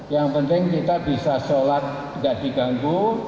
yang penting kita bisa sholat tidak diganggu